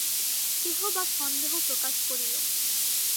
কেহ বা সন্দেহ প্রকাশ করিল।